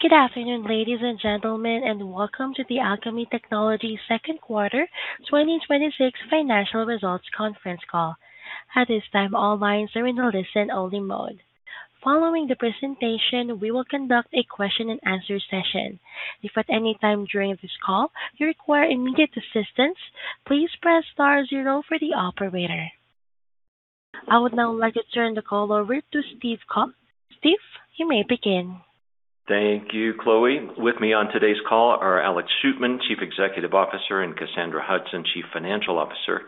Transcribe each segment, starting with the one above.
Good afternoon, ladies and gentlemen, and welcome to the Alkami Technology second quarter 2026 financial results conference call. At this time, all lines are in a listen-only mode. Following the presentation, we will conduct a question-and-answer session. If at any time during this call you require immediate assistance, please press star zero for the operator. I would now like to turn the call over to Steve Calk. Steve, you may begin. Thank you, Chloe. With me on today's call are Alex Shootman, Chief Executive Officer, and Cassandra Hudson, Chief Financial Officer.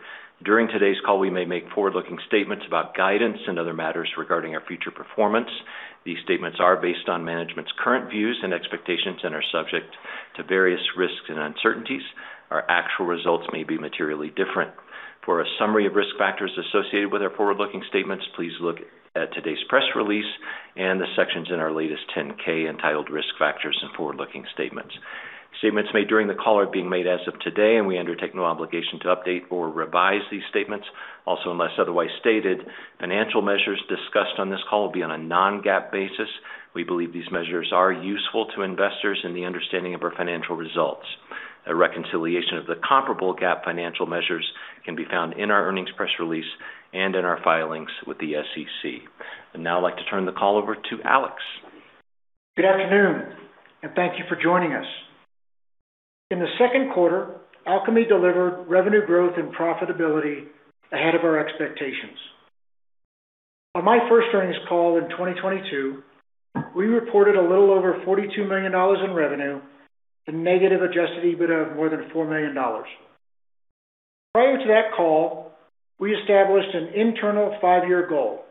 During today's call, we may make forward-looking statements about guidance and other matters regarding our future performance. These statements are based on management's current views and expectations and are subject to various risks and uncertainties. Our actual results may be materially different. For a summary of risk factors associated with our forward-looking statements, please look at today's press release and the sections in our latest 10-K entitled Risk Factors and Forward-Looking Statements. Statements made during the call are being made as of today, and we undertake no obligation to update or revise these statements. Also, unless otherwise stated, financial measures discussed on this call will be on a non-GAAP basis. We believe these measures are useful to investors in the understanding of our financial results. A reconciliation of the comparable GAAP financial measures can be found in our earnings press release and in our filings with the SEC. I'd now like to turn the call over to Alex. Good afternoon and thank you for joining us. In the second quarter, Alkami delivered revenue growth and profitability ahead of our expectations. On my first earnings call in 2022, we reported a little over $42 million in revenue and negative adjusted EBITDA of more than $4 million. Prior to that call, we established an internal five-year goal.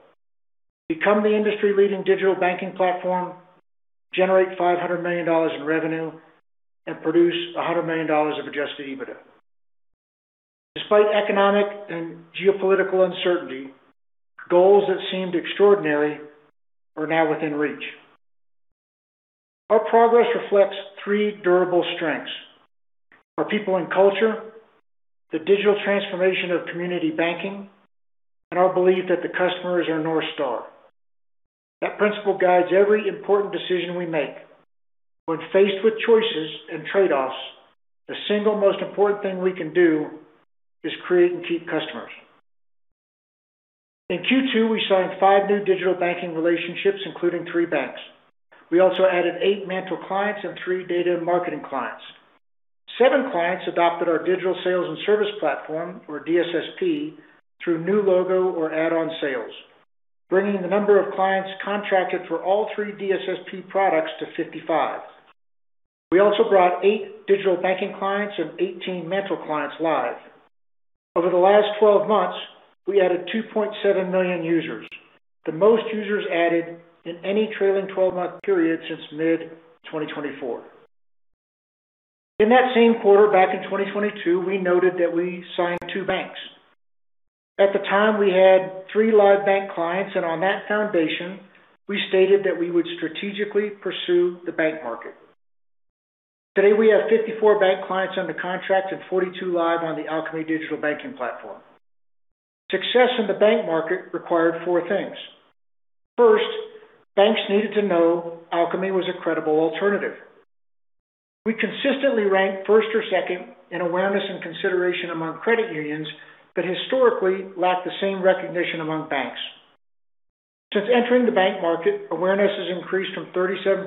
Become the industry-leading digital banking platform, generate $500 million in revenue, and produce $100 million of adjusted EBITDA. Despite economic and geopolitical uncertainty, goals that seemed extraordinary are now within reach. Our progress reflects three durable strengths. Our people and culture, the digital transformation of community banking, and our belief that the customer is our North Star. That principle guides every important decision we make. When faced with choices and trade-offs, the single most important thing we can do is create and keep customers. In Q2, we signed five new digital banking relationships, including three banks. We also added eight MANTL clients and three Data & Marketing clients. Seven clients adopted our Digital Sales & Service Platform, or DSSP, through new logo or add-on sales, bringing the number of clients contracted for all three DSSP products to 55. We also brought eight digital banking clients and 18 MANTL clients live. Over the last 12 months, we added 2.7 million users, the most users added in any trailing 12-month period since mid-2024. In that same quarter back in 2022, we noted that we signed two banks. At the time, we had three live bank clients, and on that foundation, we stated that we would strategically pursue the bank market. Today, we have 54 bank clients under contract and 42 live on the Alkami Digital Banking Platform. Success in the bank market required four things. First, banks needed to know Alkami was a credible alternative. We consistently ranked first or second in awareness and consideration among credit unions but historically lacked the same recognition among banks. Since entering the bank market, awareness has increased from 37%-52%,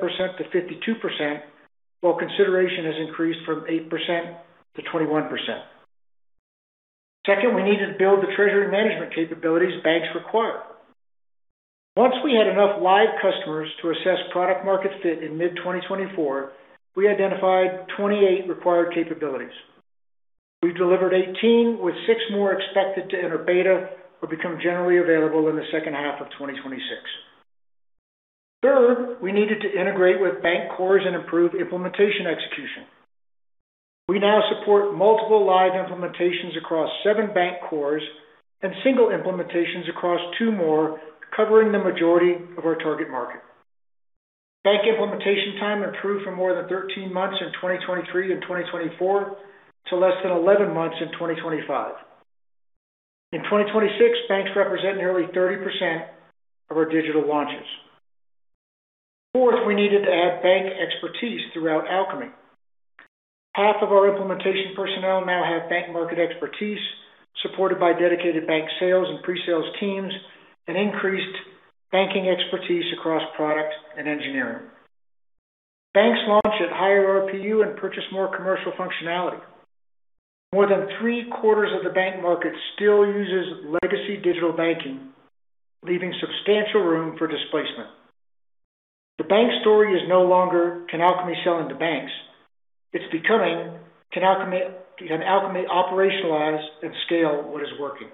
while consideration has increased from 8%-21%. Second, we needed to build the treasury management capabilities banks require. Once we had enough live customers to assess product-market fit in mid-2024, we identified 28 required capabilities. We've delivered 18, with six more expected to enter beta or become generally available in the second half of 2026. Third, we needed to integrate with bank cores and improve implementation execution. We now support multiple live implementations across seven bank cores and single implementations across two more, covering the majority of our target market. Bank implementation time improved from more than 13 months in 2023 and 2024 to less than 11 months in 2025. In 2026, banks represent nearly 30% of our digital launches. Fourth, we needed to add bank expertise throughout Alkami. Half of our implementation personnel now have bank market expertise, supported by dedicated bank sales and pre-sales teams and increased banking expertise across product and engineering. Banks launch at higher RPU and purchase more commercial functionality. More than 3/4 of the bank market still uses legacy digital banking, leaving substantial room for displacement. The bank story is no longer can Alkami sell into banks. It's becoming can Alkami operationalize and scale what is working.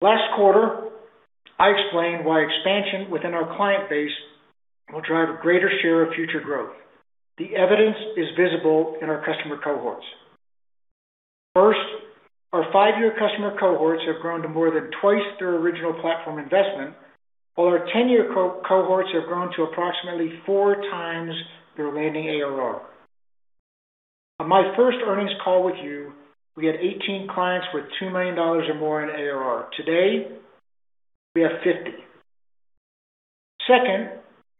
Last quarter, I explained why expansion within our client base will drive a greater share of future growth. The evidence is visible in our customer cohorts. First, our five-year customer cohorts have grown to more than twice their original platform investment, while our 10-year cohorts have grown to approximately four times their landing ARR. On my first earnings call with you, we had 18 clients with $2 million or more in ARR. Today, we have 50. Second,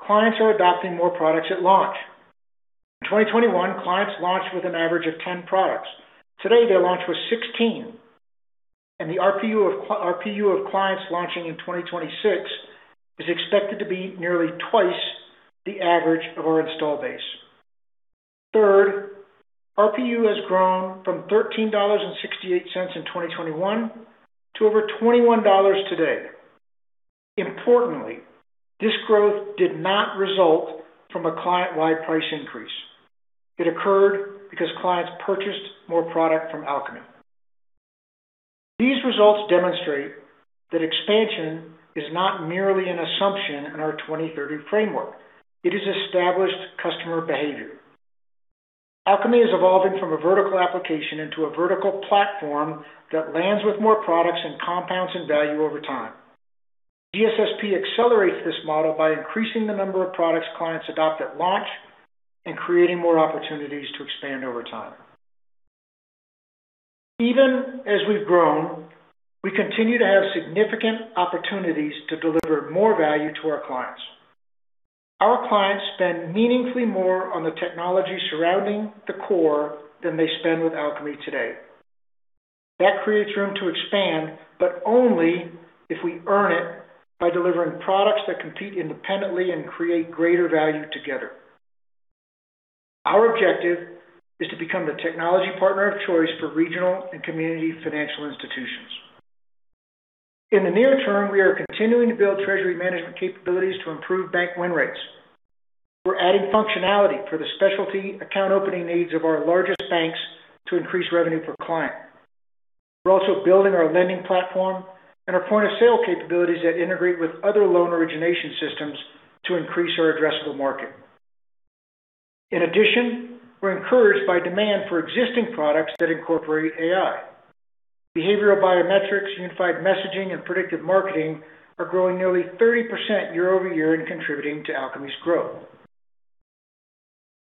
clients are adopting more products at launch. In 2021, clients launched with an average of 10 products. Today, they launch with 16, and the RPU of clients launching in 2026 is expected to be nearly twice the average of our install base. Third, RPU has grown from $13.68 in 2021 to over $21 today. Importantly, this growth did not result from a client-wide price increase. It occurred because clients purchased more product from Alkami. These results demonstrate that expansion is not merely an assumption in our 2030 framework. It is established customer behavior. Alkami is evolving from a vertical application into a vertical platform that lands with more products and compounds in value over time. DSSP accelerates this model by increasing the number of products clients adopt at launch and creating more opportunities to expand over time. Even as we've grown, we continue to have significant opportunities to deliver more value to our clients. Our clients spend meaningfully more on the technology surrounding the core than they spend with Alkami today. That creates room to expand, but only if we earn it by delivering products that compete independently and create greater value together. Our objective is to become the technology partner of choice for regional and community financial institutions. In the near term, we are continuing to build treasury management capabilities to improve bank win rates. We're adding functionality for the specialty account opening needs of our largest banks to increase revenue per client. We're also building our lending platform and our point-of-sale capabilities that integrate with other loan origination systems to increase our addressable market. We're encouraged by demand for existing products that incorporate AI. Behavioral biometrics, unified messaging, and predictive marketing are growing nearly 30% year-over-year and contributing to Alkami's growth.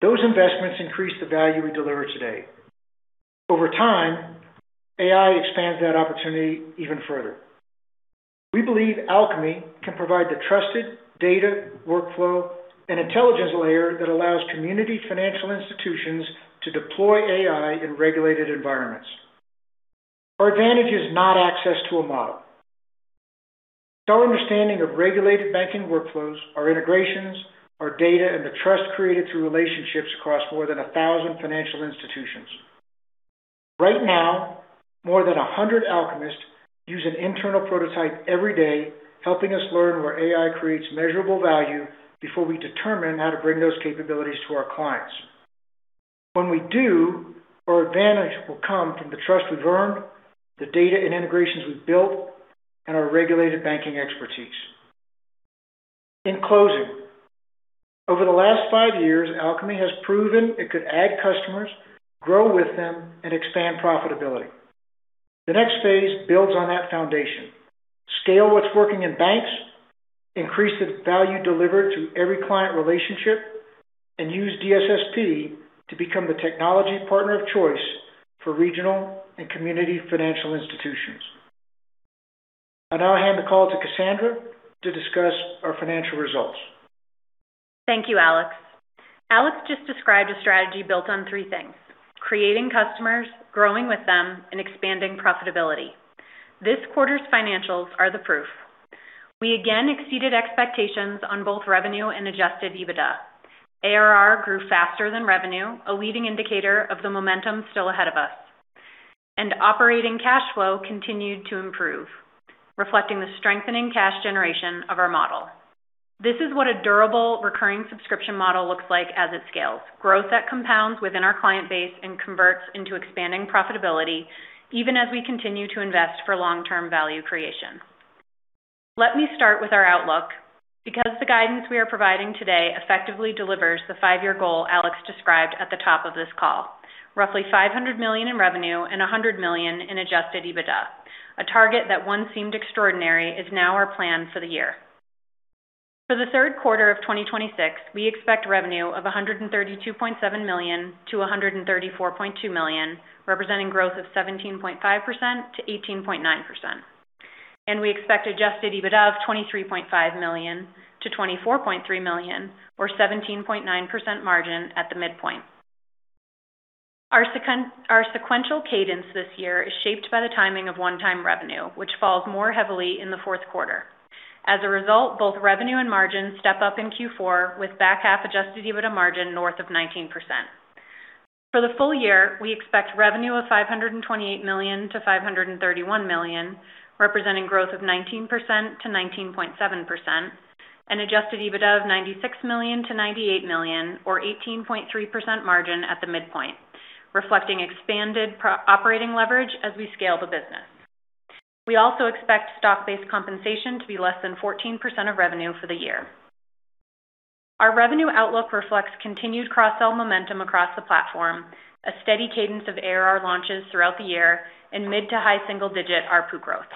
Those investments increase the value we deliver today. Over time, AI expands that opportunity even further. We believe Alkami can provide the trusted data workflow and intelligence layer that allows community financial institutions to deploy AI in regulated environments. Our advantage is not access to a model. It's our understanding of regulated banking workflows, our integrations, our data, and the trust created through relationships across more than 1,000 financial institutions. Right now, more than 100 Alkamists use an internal prototype every day, helping us learn where AI creates measurable value before we determine how to bring those capabilities to our clients. When we do, our advantage will come from the trust we've earned, the data and integrations we've built, and our regulated banking expertise. Over the last five years, Alkami has proven it could add customers, grow with them, and expand profitability. The next phase builds on that foundation. Scale what's working in banks, increase the value delivered to every client relationship, and use DSSP to become the technology partner of choice for regional and community financial institutions. I now hand the call to Cassandra to discuss our financial results. Thank you, Alex. Alex just described a strategy built on three things: creating customers, growing with them, and expanding profitability. This quarter's financials are the proof. We again exceeded expectations on both revenue and adjusted EBITDA. ARR grew faster than revenue, a leading indicator of the momentum still ahead of us. Operating cash flow continued to improve, reflecting the strengthening cash generation of our model. This is what a durable recurring subscription model looks like as it scales. Growth that compounds within our client base and converts into expanding profitability even as we continue to invest for long-term value creation. Let me start with our outlook, because the guidance we are providing today effectively delivers the five-year goal Alex described at the top of this call. Roughly $500 million in revenue and $100 million in adjusted EBITDA. A target that once seemed extraordinary is now our plan for the year. For the third quarter of 2026, we expect revenue of $132.7 million to $134.2 million, representing growth of 17.5%-18.9%. We expect adjusted EBITDA of $23.5 million to $24.3 million, or 17.9% margin at the midpoint. Our sequential cadence this year is shaped by the timing of one-time revenue, which falls more heavily in the fourth quarter. As a result, both revenue and margin step up in Q4, with back half adjusted EBITDA margin north of 19%. For the full-year, we expect revenue of $528 million to $531 million, representing growth of 19%-19.7%, and adjusted EBITDA of $96 million to $98 million, or 18.3% margin at the midpoint, reflecting expanded operating leverage as we scale the business. We also expect stock-based compensation to be less than 14% of revenue for the year. Our revenue outlook reflects continued cross-sell momentum across the platform, a steady cadence of ARR launches throughout the year, and mid to high single-digit ARPU growth.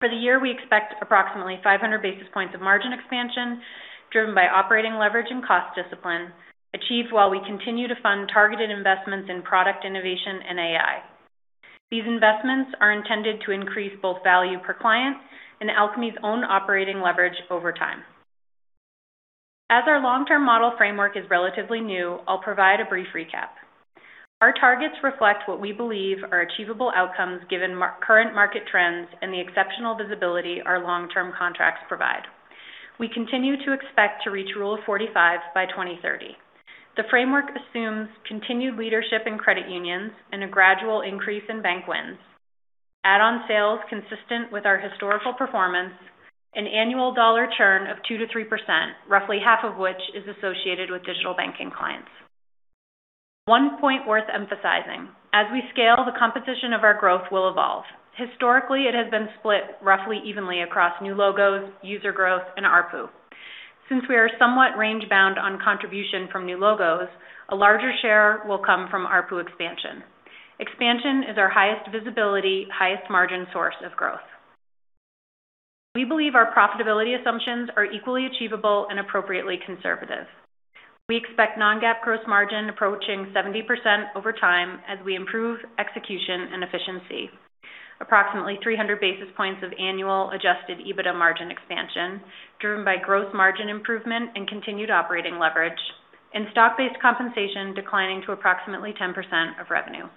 For the year, we expect approximately 500 basis points of margin expansion driven by operating leverage and cost discipline, achieved while we continue to fund targeted investments in product innovation and AI. These investments are intended to increase both value per client and Alkami's own operating leverage over time. As our long-term model framework is relatively new, I will provide a brief recap. Our targets reflect what we believe are achievable outcomes given current market trends and the exceptional visibility our long-term contracts provide. We continue to expect to reach Rule of 45 by 2030. The framework assumes continued leadership in credit unions and a gradual increase in bank wins. Add-on sales consistent with our historical performance, an annual dollar churn of 2%-3%, roughly half of which is associated with digital banking clients. One point worth emphasizing, as we scale, the composition of our growth will evolve. Historically, it has been split roughly evenly across new logos, user growth, and ARPU. Since we are somewhat range bound on contribution from new logos, a larger share will come from ARPU expansion. Expansion is our highest visibility, highest margin source of growth. We believe our profitability assumptions are equally achievable and appropriately conservative. We expect non-GAAP gross margin approaching 70% over time as we improve execution and efficiency. Approximately 300 basis points of annual adjusted EBITDA margin expansion driven by gross margin improvement and continued operating leverage, and stock-based compensation declining to approximately 10% of revenue.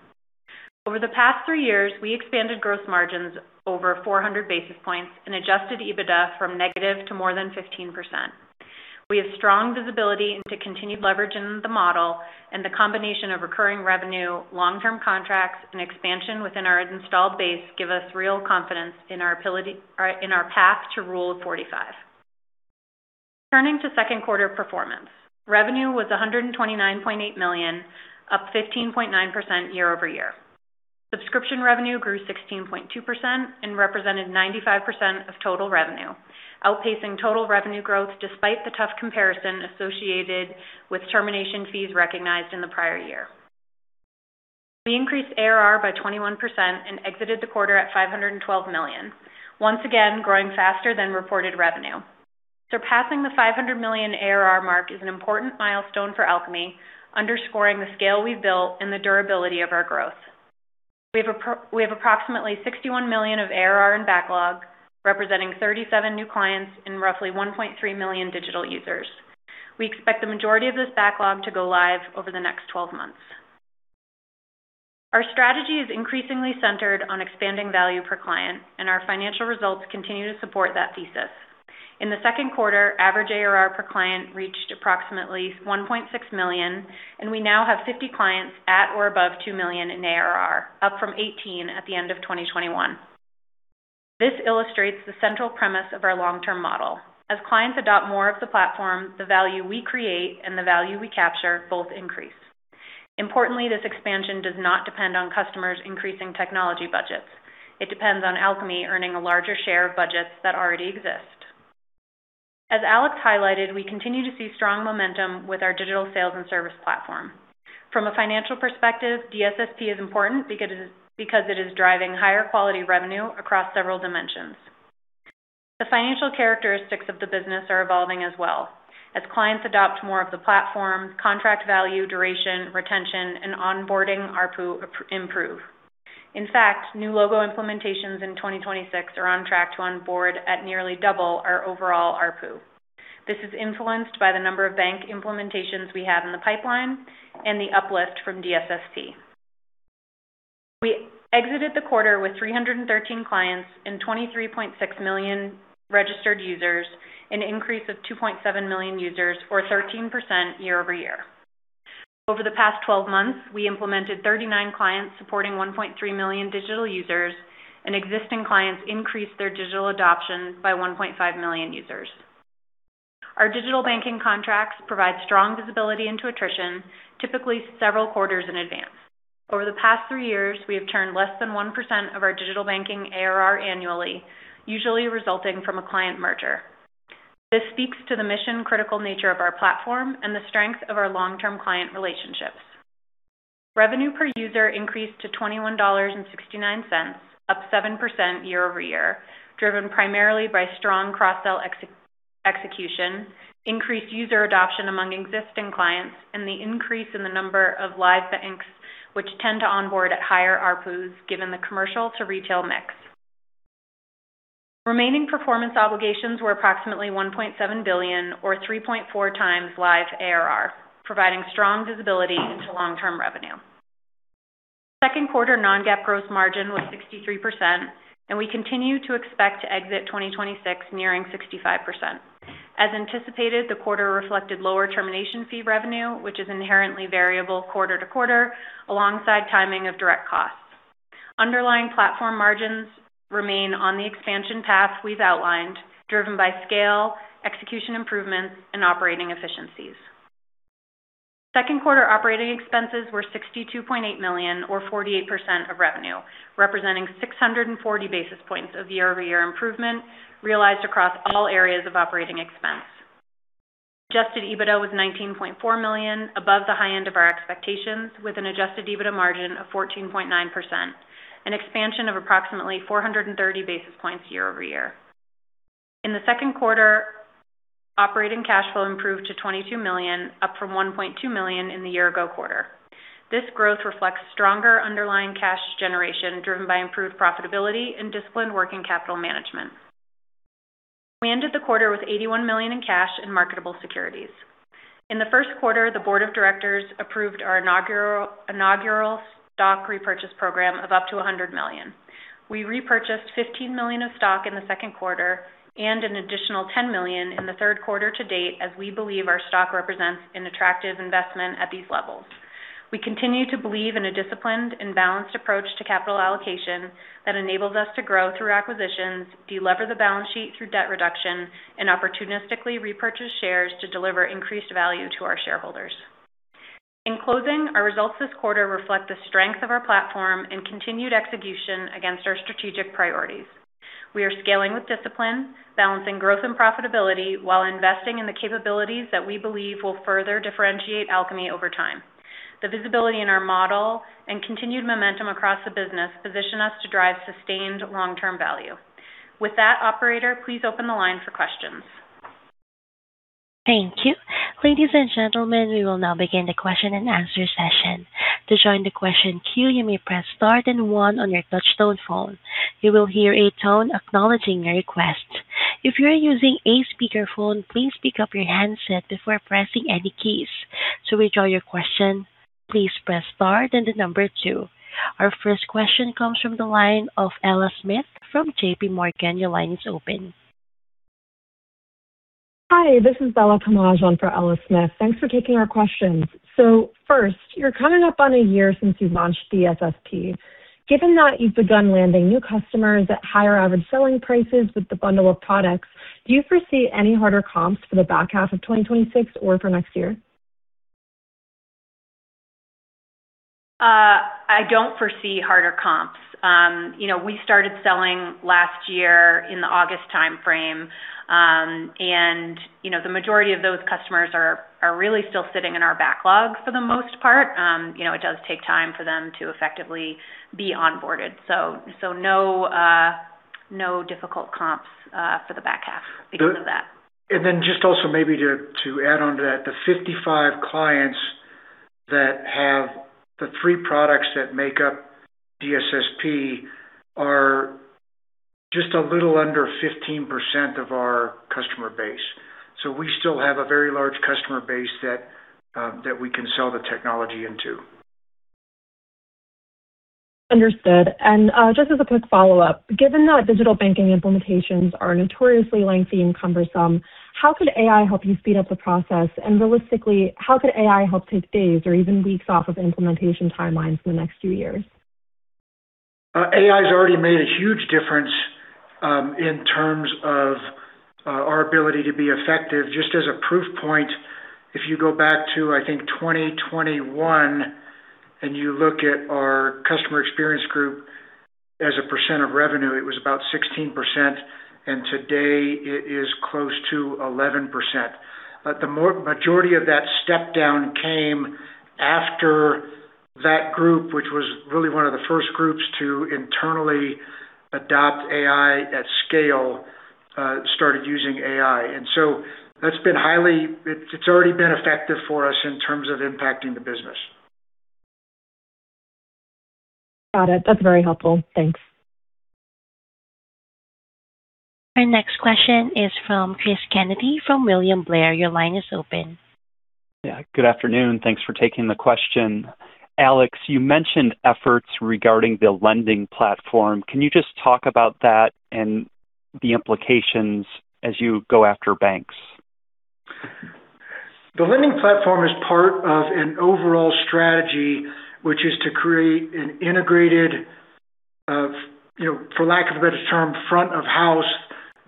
Over the past three years, we expanded gross margins over 400 basis points and adjusted EBITDA from negative to more than 15%. We have strong visibility into continued leverage in the model and the combination of recurring revenue, long-term contracts, and expansion within our installed base give us real confidence in our path to Rule of 45. Turning to second quarter performance. Revenue was $129.8 million, up 15.9% year-over-year. Subscription revenue grew 16.2% and represented 95% of total revenue, outpacing total revenue growth despite the tough comparison associated with termination fees recognized in the prior year. We increased ARR by 21% and exited the quarter at $512 million, once again growing faster than reported revenue. Surpassing the $500 million ARR mark is an important milestone for Alkami, underscoring the scale we have built and the durability of our growth. We have approximately $61 million of ARR in backlog, representing 37 new clients and roughly 1.3 million digital users. We expect the majority of this backlog to go live over the next 12 months. Our strategy is increasingly centered on expanding value per client, and our financial results continue to support that thesis. In the second quarter, average ARR per client reached approximately $1.6 million, and we now have 50 clients at or above $2 million in ARR, up from 18 at the end of 2021. This illustrates the central premise of our long-term model. As clients adopt more of the platform, the value we create and the value we capture both increase. Importantly, this expansion does not depend on customers increasing technology budgets. It depends on Alkami earning a larger share of budgets that already exist. As Alex highlighted, we continue to see strong momentum with our Digital Sales & Service Platform. From a financial perspective, DSSP is important because it is driving higher quality revenue across several dimensions. The financial characteristics of the business are evolving as well. As clients adopt more of the platform, contract value, duration, retention, and onboarding ARPU improve. In fact, new logo implementations in 2026 are on track to onboard at nearly double our overall ARPU. This is influenced by the number of bank implementations we have in the pipeline and the uplift from DSSP. We exited the quarter with 313 clients and 23.6 million registered users, an increase of 2.7 million users or 13% year-over-year. Over the past 12 months, we implemented 39 clients supporting 1.3 million digital users and existing clients increased their digital adoption by 1.5 million users. Our digital banking contracts provide strong visibility into attrition, typically several quarters in advance. Over the past three years, we have turned less than 1% of our digital banking ARR annually, usually resulting from a client merger. This speaks to the mission-critical nature of our platform and the strength of our long-term client relationships. Revenue per user increased to $21.69, up 7% year-over-year, driven primarily by strong cross-sell execution, increased user adoption among existing clients, and the increase in the number of live banks, which tend to onboard at higher ARPUs, given the commercial to retail mix. Remaining Performance Obligations were approximately $1.7 billion or 3.4x live ARR, providing strong visibility into long-term revenue. Second quarter non-GAAP gross margin was 63%, and we continue to expect to exit 2026 nearing 65%. As anticipated, the quarter reflected lower termination fee revenue, which is inherently variable quarter-to-quarter, alongside timing of direct costs. Underlying platform margins remain on the expansion path we've outlined, driven by scale, execution improvements, and operating efficiencies. Second quarter operating expenses were $62.8 million or 48% of revenue, representing 640 basis points of year-over-year improvement realized across all areas of operating expense. Adjusted EBITDA was $19.4 million, above the highend of our expectations, with an adjusted EBITDA margin of 14.9%, an expansion of approximately 430 basis points year-over-year. In the second quarter, operating cash flow improved to $22 million, up from $1.2 million in the year-ago quarter. This growth reflects stronger underlying cash generation, driven by improved profitability and disciplined working capital management. We ended the quarter with $81 million in cash and marketable securities. In the first quarter, the board of directors approved our inaugural stock repurchase program of up to $100 million. We repurchased $15 million of stock in the second quarter and an additional $10 million in the third quarter to-date, as we believe our stock represents an attractive investment at these levels. We continue to believe in a disciplined and balanced approach to capital allocation that enables us to grow through acquisitions, delever the balance sheet through debt reduction, and opportunistically repurchase shares to deliver increased value to our shareholders. In closing, our results this quarter reflect the strength of our platform and continued execution against our strategic priorities. We are scaling with discipline, balancing growth and profitability while investing in the capabilities that we believe will further differentiate Alkami over time. The visibility in our model and continued momentum across the business position us to drive sustained long-term value. With that, operator, please open the line for questions. Thank you. Ladies and gentlemen, we will now begin the question-and-answer session. To join the question queue, you may press star then one on your touchtone phone. You will hear a tone acknowledging your request. If you are using a speakerphone, please pick up your handset before pressing any keys. To withdraw your question, please press star then the number two. Our first question comes from the line of Ella Smith from JPMorgan. Your line is open. Hi, this is Bella Camaj on for Ella Smith. Thanks for taking our questions. First, you're coming up on a year since you've launched DSSP. Given that you've begun landing new customers at higher average selling prices with the bundle of products, do you foresee any harder comps for the back half of 2026 or for next year? I don't foresee harder comps. We started selling last year in the August timeframe, and the majority of those customers are really still sitting in our backlog for the most part. It does take time for them to effectively be onboarded. No difficult comps for the back half because of that. Just also maybe to add on to that, the 55 clients that have the three products that make up DSSP are just a little under 15% of our customer base. We still have a very large customer base that we can sell the technology into. Understood. Just as a quick follow-up, given that digital banking implementations are notoriously lengthy and cumbersome, how could AI help you speed up the process? Realistically, how could AI help take days or even weeks off of implementation timelines in the next few years? AI's already made a huge difference in terms of our ability to be effective. Just as a proof point, if you go back to, I think, 2021 and you look at our customer experience group as a percent of revenue, it was about 16%, and today it is close to 11%. The majority of that step down came after that group, which was really one of the first groups to internally adopt AI at scale, started using AI. It's already been effective for us in terms of impacting the business. Got it. That's very helpful. Thanks. Our next question is from Chris Kennedy from William Blair. Your line is open. Yeah. Good afternoon. Thanks for taking the question. Alex, you mentioned efforts regarding the lending platform. Can you just talk about that and the implications as you go after banks? The lending platform is part of an overall strategy, which is to create an integrated, for lack of a better term, front of house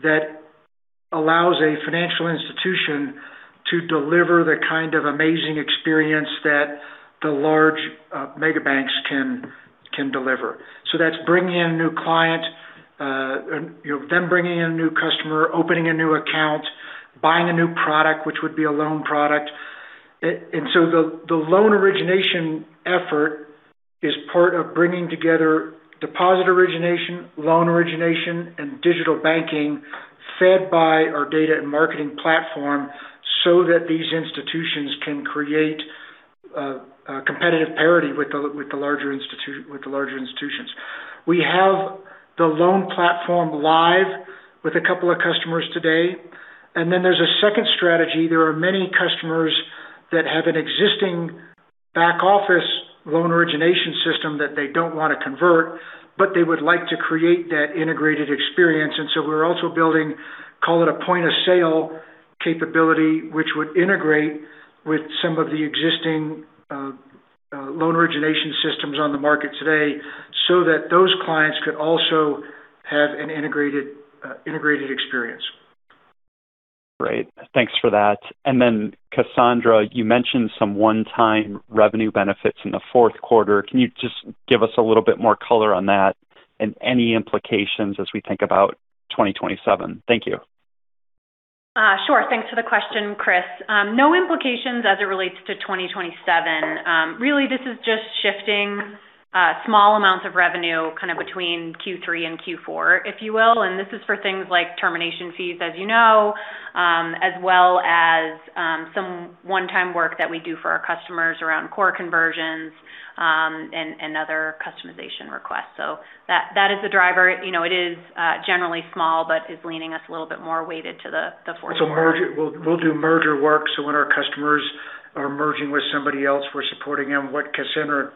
that allows a financial institution to deliver the kind of amazing experience that the large mega banks can deliver. That's bringing in a new client, them bringing in a new customer, opening a new account, buying a new product, which would be a loan product. The loan origination effort is part of bringing together deposit origination, loan origination, and digital banking fed by our data and marketing platform so that these institutions can create a competitive parity with the larger institutions. We have the loan platform live with a couple of customers today. There's a second strategy. There are many customers that have an existing back-office loan origination system that they don't want to convert, but they would like to create that integrated experience. We're also building, call it a point-of-sale capability, which would integrate with some of the existing loan origination systems on the market today so that those clients could also have an integrated experience. Great. Thanks for that. Cassandra, you mentioned some one-time revenue benefits in the fourth quarter. Can you just give us a little bit more color on that? Any implications as we think about 2027? Thank you. Sure. Thanks for the question, Chris. No implications as it relates to 2027. Really, this is just shifting small amounts of revenue between Q3 and Q4, if you will, this is for things like termination fees, as you know, as well as some one-time work that we do for our customers around core conversions and other customization requests. That is the driver. It is generally small, but is leaning us a little bit more weighted to the fourth quarter. We'll do merger work, so when our customers are merging with somebody else, we're supporting them. What Cassandra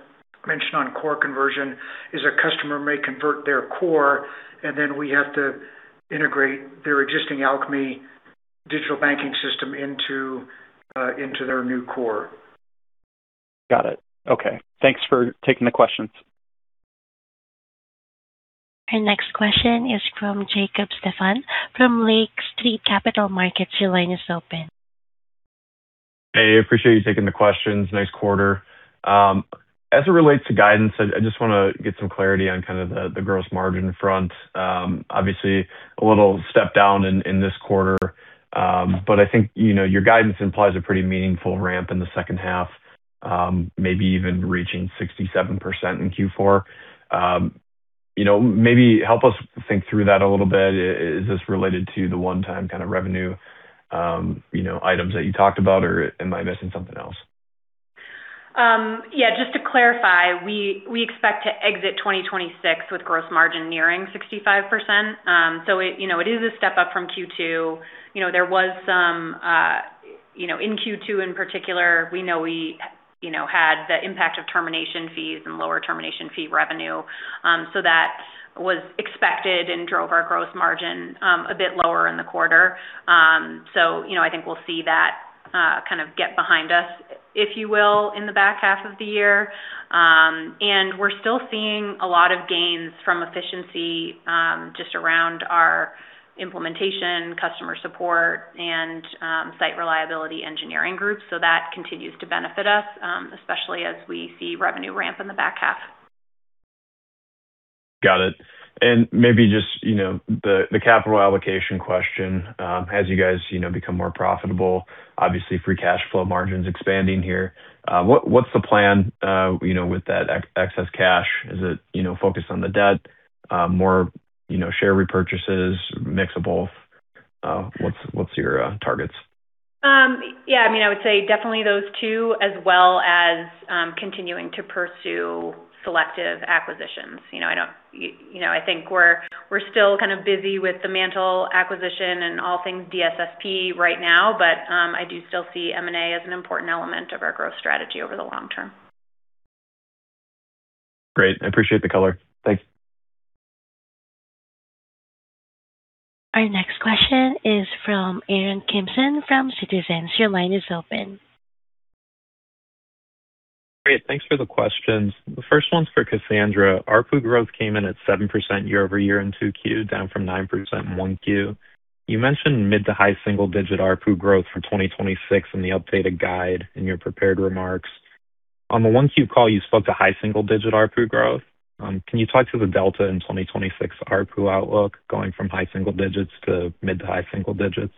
mentioned on core conversion is a customer may convert their core, and then we have to integrate their existing Alkami Digital Banking system into their new core. Got it. Okay. Thanks for taking the questions. Our next question is from Jacob Stephan from Lake Street Capital Markets. Your line is open. Hey, appreciate you taking the questions. Nice quarter. As it relates to guidance, I just want to get some clarity on the gross margin front. Obviously, a little step down in this quarter. I think your guidance implies a pretty meaningful ramp in the second half, maybe even reaching 67% in Q4. Maybe help us think through that a little bit. Is this related to the one-time kind of revenue items that you talked about, or am I missing something else? Yeah, just to clarify, we expect to exit 2026 with gross margin nearing 65%. It is a step up from Q2. In Q2 in particular, we know we had the impact of termination fees and lower termination fee revenue. That was expected and drove our gross margin a bit lower in the quarter. I think we'll see that kind of get behind us, if you will, in the back half of the year. We're still seeing a lot of gains from efficiency just around our implementation, customer support, and site reliability engineering groups. That continues to benefit us, especially as we see revenue ramp in the back half. Got it. Maybe just the capital allocation question. As you guys become more profitable, obviously free cash flow margins expanding here. What's the plan with that excess cash? Is it focused on the debt, more share repurchases, mix of both? What's your targets? I would say definitely those two as well as continuing to pursue selective acquisitions. I think we're still kind of busy with the MANTL acquisition and all things DSSP right now, but I do still see M&A as an important element of our growth strategy over the long term. Great. I appreciate the color. Thanks. Our next question is from Aaron Kimson from Citizens. Your line is open. Great. Thanks for the questions. The first one's for Cassandra. ARPU growth came in at 7% year-over-year in 2Q, down from 9% in 1Q. You mentioned mid to high single digit ARPU growth for 2026 in the updated guide in your prepared remarks. On the 1Q call, you spoke to high single digit ARPU growth. Can you talk to the delta in 2026 ARPU outlook going from high single-digits to mid to high single-digits?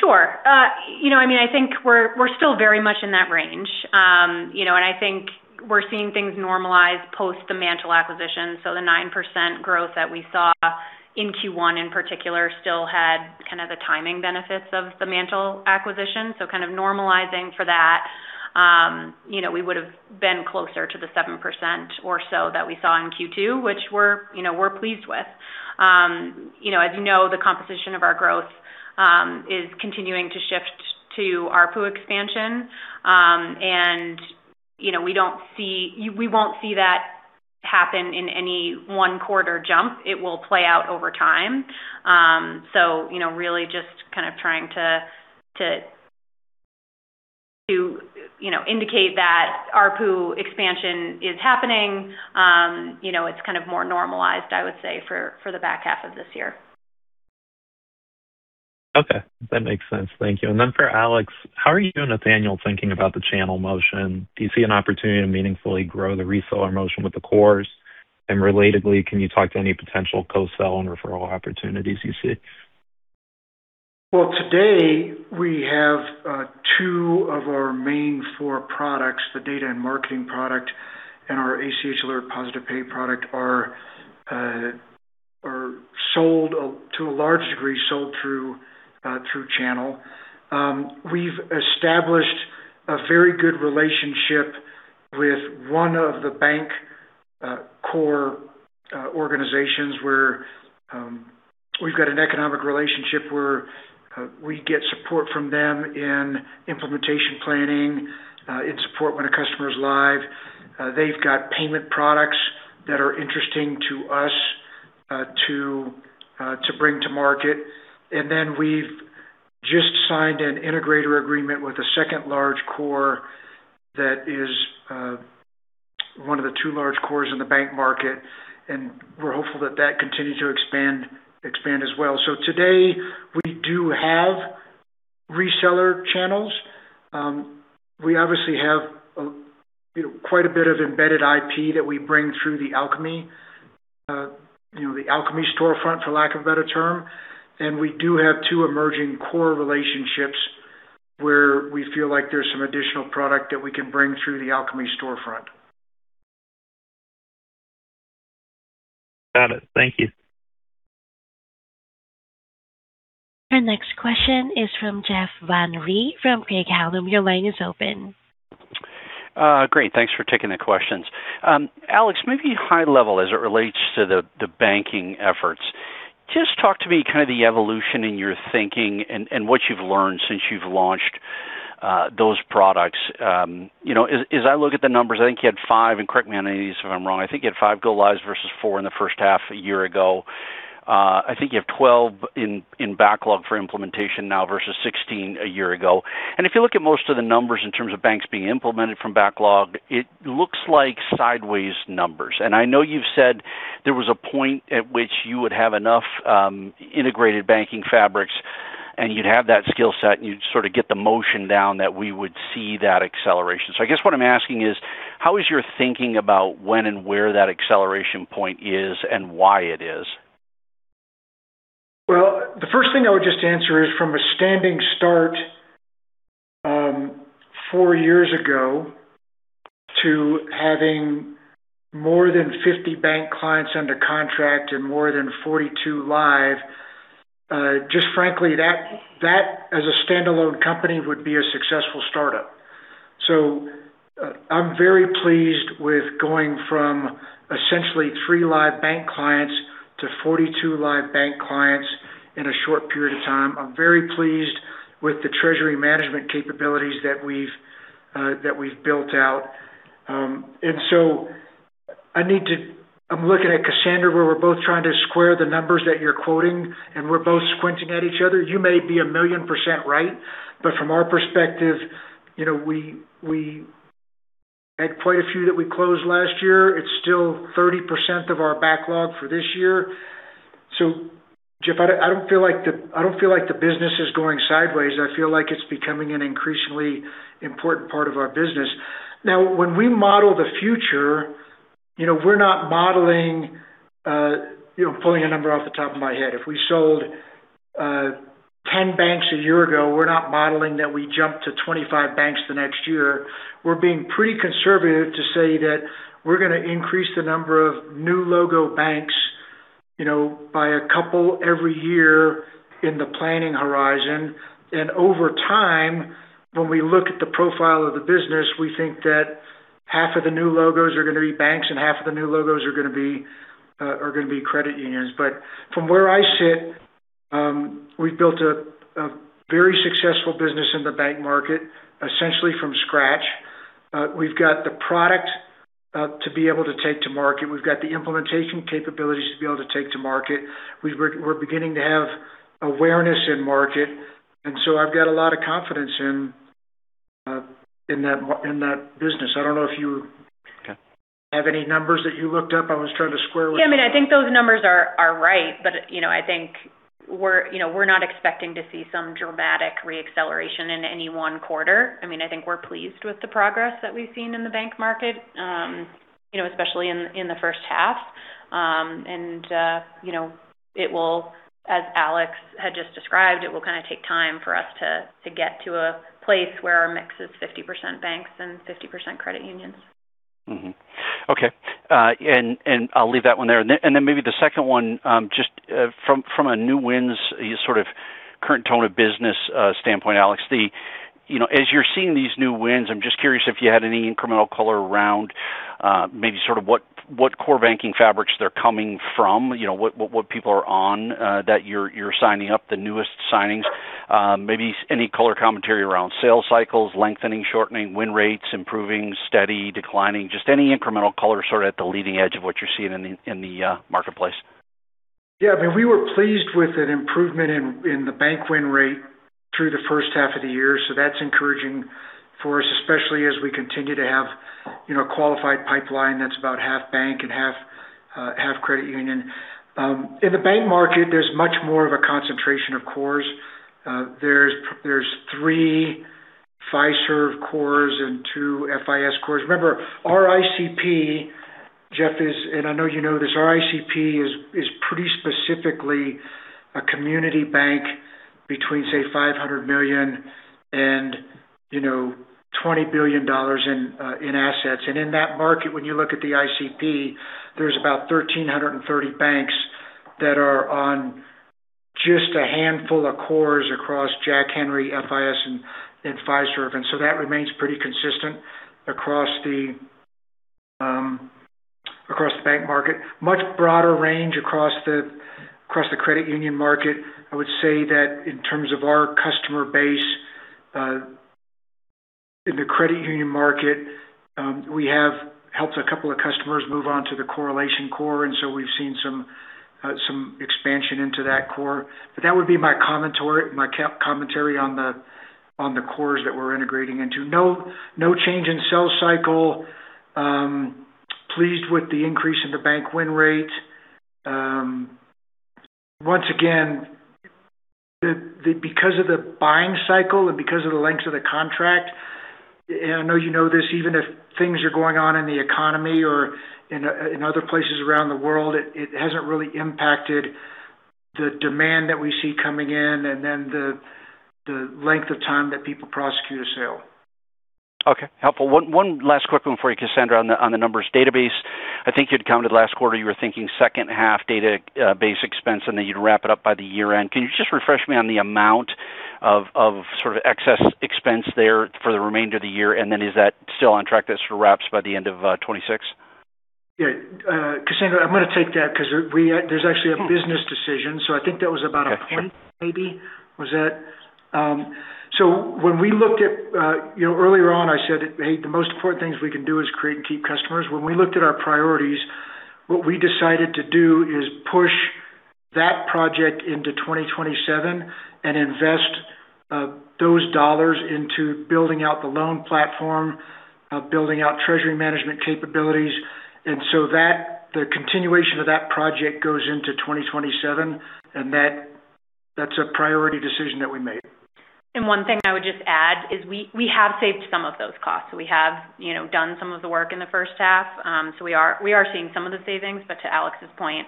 Sure. I think we're still very much in that range. I think we're seeing things normalize post the MANTL acquisition. The 9% growth that we saw in Q1 in particular still had kind of the timing benefits of the MANTL acquisition. Kind of normalizing for that. We would've been closer to the 7% or so that we saw in Q2, which we're pleased with. As you know, the composition of our growth is continuing to shift to ARPU expansion. We won't see that happen in any one quarter jump. It will play out over time. Really just kind of trying to indicate that ARPU expansion is happening. It's kind of more normalized, I would say, for the back half of this year. Okay. That makes sense. Thank you. Then for Alex, how are you and Nathaniel thinking about the channel motion? Do you see an opportunity to meaningfully grow the reseller motion with the cores? Relatedly, can you talk to any potential co-sell and referral opportunities you see? Well, today, we have two of our main four products, the Data & Marketing Solution, and our ACH Positive Pay are sold to a large degree, sold through channel. We've established a very good relationship with one of the bank core organizations where we've got an economic relationship where we get support from them in implementation planning, in support when a customer's live. They've got payment products that are interesting to us to bring to market. Then we've just signed an integrator agreement with a second large core that is one of the two large cores in the bank market, and we're hopeful that that continues to expand as well. Today, we do have reseller channels. We obviously have quite a bit of embedded IP that we bring through the Alkami storefront, for lack of a better term. We do have two emerging core relationships where we feel like there's some additional product that we can bring through the Alkami storefront. Got it. Thank you. Our next question is from Jeff Van Rhee from Craig-Hallum. Your line is open. Great. Thanks for taking the questions. Alex, maybe high level as it relates to the banking efforts. Just talk to me kind of the evolution in your thinking and what you've learned since you've launched those products. As I look at the numbers, I think you had five, and correct me on any of these if I'm wrong. I think you had five go lives versus four in the first half a year ago. I think you have 12 in backlog for implementation now versus 16 a year ago. If you look at most of the numbers in terms of banks being implemented from backlog, it looks like sideways numbers. I know you've said there was a point at which you would have enough integrated banking fabrics, and you'd have that skill set, and you'd sort of get the motion down, that we would see that acceleration. I guess what I'm asking is, how is your thinking about when and where that acceleration point is and why it is? The first thing I would just answer is from a standing start four years ago to having more than 50 bank clients under contract and more than 42 live. Just frankly, that as a standalone company would be a successful startup. I'm very pleased with going from essentially three live bank clients to 42 live bank clients in a short period of time. I'm very pleased with the treasury management capabilities that we've built out. I'm looking at Cassandra, where we're both trying to square the numbers that you're quoting, and we're both squinting at each other. You may be a million percent right, from our perspective, we had quite a few that we closed last year. It's still 30% of our backlog for this year. Jeff, I don't feel like the business is going sideways. I feel like it's becoming an increasingly important part of our business. When we model the future, we're not modeling, pulling a number off the top of my head. If we sold 10 banks a year ago, we're not modeling that we jump to 25 banks the next year. We're being pretty conservative to say that we're going to increase the number of new logo banks by a couple every year in the planning horizon. Over time, when we look at the profile of the business, we think that half of the new logos are going to be banks and half of the new logos are going to be credit unions. From where I sit, we've built a very successful business in the bank market, essentially from scratch. We've got the product to be able to take to market. We've got the implementation capabilities to be able to take to market. We're beginning to have awareness in market. I've got a lot of confidence in that business. I don't know if you have any numbers that you looked up. I think those numbers are right. I think we're not expecting to see some dramatic re-acceleration in any one quarter. I think we're pleased with the progress that we've seen in the bank market especially in the first half. It will, as Alex had just described, it will kind of take time for us to get to a place where our mix is 50% banks and 50% credit unions. Okay. I'll leave that one there. Maybe the second one just from a new wins sort of current tone of business standpoint, Alex. As you're seeing these new wins, I'm just curious if you had any incremental color around maybe sort of what core banking fabrics they're coming from, what people are on that you're signing up, the newest signings. Maybe any color commentary around sales cycles, lengthening, shortening, win rates, improving, steady, declining, just any incremental color sort of at the leading edge of what you're seeing in the marketplace. Yeah, we were pleased with an improvement in the bank win rate through the first half of the year. That's encouraging for us, especially as we continue to have qualified pipeline that's about half bank and half credit union. In the bank market, there's much more of a concentration of cores. There's three Fiserv cores and two FIS cores. Remember, our ICP, Jeff, is, and I know you know this, our ICP is pretty specifically a community bank between, say, $500 million and $20 billion in assets. In that market, when you look at the ICP, there's about 1,330 banks that are on just a handful of cores across Jack Henry, FIS, and Fiserv. That remains pretty consistent across the bank market. Much broader range across the credit union market. I would say that in terms of our customer base in the credit union market, we have helped a couple of customers move on to the CoreLation core, we've seen some expansion into that core. That would be my commentary on the cores that we're integrating into. No change in sales cycle. Pleased with the increase in the bank win rate. Once again, because of the buying cycle and because of the length of the contract, and I know you know this, even if things are going on in the economy or in other places around the world, it hasn't really impacted the demand that we see coming in, the length of time that people prosecute a sale. Okay. Helpful. One last quick one for you, Cassandra, on the numbers database. I think you'd commented last quarter, you were thinking second half database expense, and then you'd wrap it up by the year-end. Can you just refresh me on the amount of excess expense there for the remainder of the year, and then is that still on track that sort of wraps by the end of 2026? Yeah. Cassandra, I'm going to take that because there's actually a business decision. I think that was about a point maybe. When we looked at, earlier on I said that, hey, the most important things we can do is create and keep customers. When we looked at our priorities, what we decided to do is push that project into 2027 and invest those dollars into building out the loan platform, building out treasury management capabilities. The continuation of that project goes into 2027, and that's a priority decision that we made. One thing I would just add is we have saved some of those costs. We have done some of the work in the first half, so we are seeing some of the savings. To Alex's point,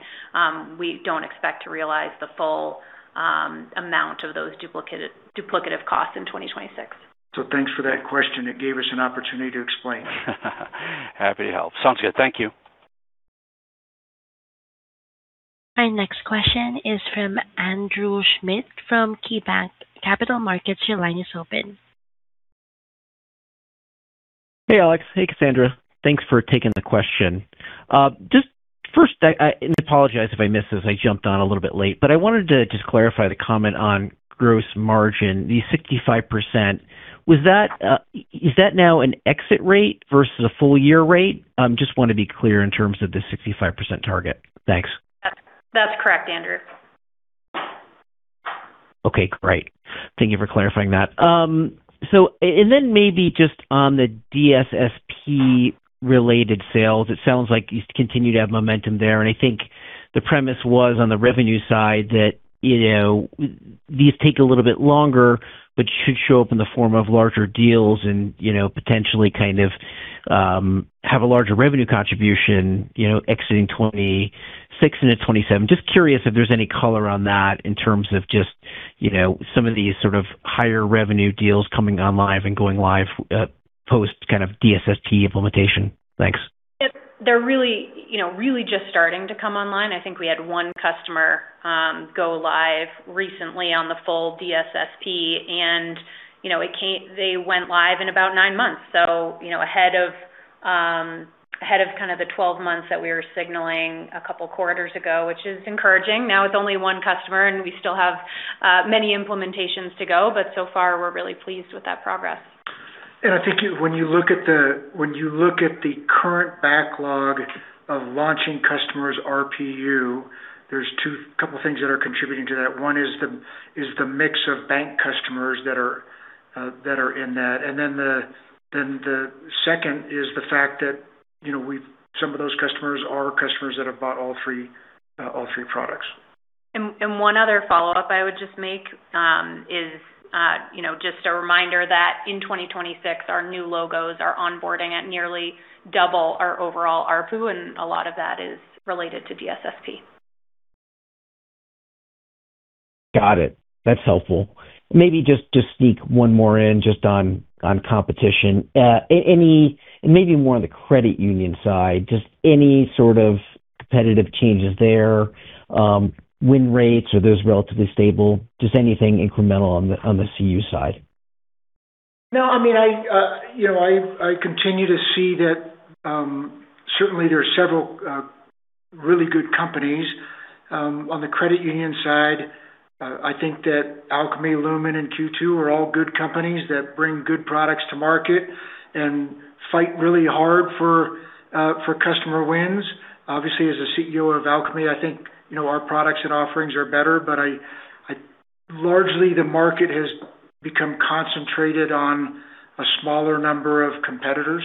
we don't expect to realize the full amount of those duplicative costs in 2026. Thanks for that question. It gave us an opportunity to explain. Happy to help. Sounds good. Thank you. Our next question is from Andrew Schmidt from KeyBanc Capital Markets. Your line is open. Hey, Alex. Hey, Cassandra. Thanks for taking the question. Just first, and I apologize if I missed this, I jumped on a little bit late, but I wanted to just clarify the comment on gross margin, the 65%. Is that now an exit rate versus a full-year rate? Just want to be clear in terms of the 65% target. Thanks. That's correct, Andrew. Okay, great. Thank you for clarifying that. Maybe just on the DSSP-related sales, it sounds like you continue to have momentum there. I think the premise was on the revenue side that these take a little bit longer, but should show up in the form of larger deals and potentially have a larger revenue contribution exiting 2026 into 2027. Just curious if there's any color on that in terms of just some of these sort of higher revenue deals coming online and going live post DSSP implementation. Thanks. They're really just starting to come online. I think we had one customer go live recently on the full DSSP, and they went live in about nine months. Ahead of the 12 months that we were signaling a couple of quarters ago, which is encouraging. Now it's only one customer and we still have many implementations to go, but so far we're really pleased with that progress. I think when you look at the current backlog of launching customers' RPU, there's two couple things that are contributing to that. One is the mix of bank customers that are in that. The second is the fact that some of those customers are customers that have bought all three products. One other follow-up I would just make is just a reminder that in 2026, our new logos are onboarding at nearly double our overall ARPU, and a lot of that is related to DSSP. Got it. That's helpful. Maybe just sneak one more in just on competition. It may be more on the credit union side. Just any sort of competitive changes there, win rates, are those relatively stable? Just anything incremental on the CU side. I continue to see that certainly there are several really good companies on the credit union side. I think that Alkami, Lumin, and Q2 are all good companies that bring good products to market and fight really hard for customer wins. Obviously, as a CEO of Alkami, I think our products and offerings are better, largely the market has become concentrated on a smaller number of competitors.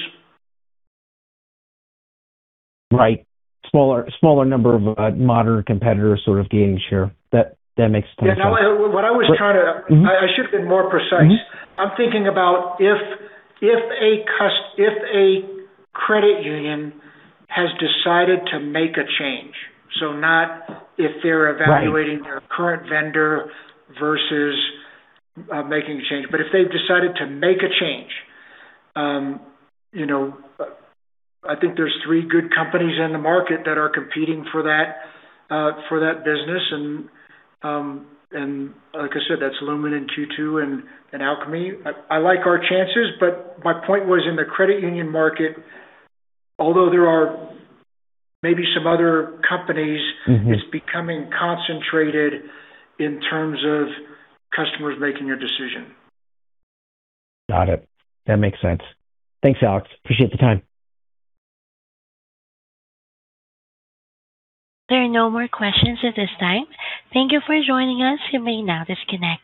Right. Smaller number of modern competitors sort of gaining share. That makes sense. Yeah. I should have been more precise. I'm thinking about if a credit union has decided to make a change. Not if they're evaluating their current vendor versus making a change. If they've decided to make a change, I think there's three good companies in the market that are competing for that business. Like I said, that's Lumin and Q2 and Alkami. I like our chances, my point was in the credit union market, although there are maybe some other companies, it's becoming concentrated in terms of customers making a decision. Got it. That makes sense. Thanks, Alex. Appreciate the time. There are no more questions at this time. Thank you for joining us. You may now disconnect.